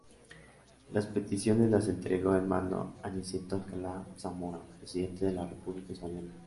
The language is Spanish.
Las peticiones las entregó en mano a Niceto Alcalá-Zamora, presidente de la República española.